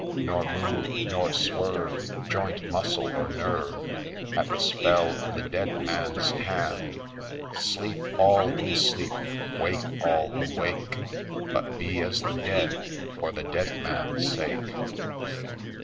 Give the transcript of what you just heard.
— Nor move, nor swerve Joint, muscle, or nerve, At the spell of the Dead Man's hand ! Sleep all who sleep !— Wake all who wake !— But be as the Dead for the Dead Man's sake